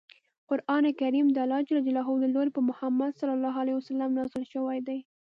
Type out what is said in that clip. قران کریم د الله ج له لورې په محمد ص نازل شوی دی.